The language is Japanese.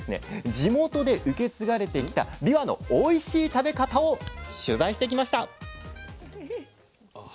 地元で受け継がれてきたびわのおいしい食べ方を取材してきました。